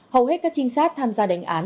hầu hết các trinh sát tham gia đánh án